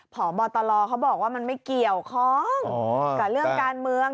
พบตลเขาบอกว่ามันไม่เกี่ยวข้องกับเรื่องการเมือง